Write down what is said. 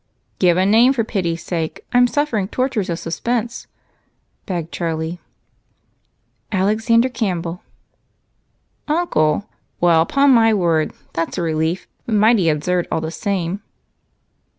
"Give a name, for pity's sake I'm suffering tortures of suspense," begged Charlie. "Alexander Campbell." "Uncle? Well, upon my word, that's a relief, but mighty absurd all the same.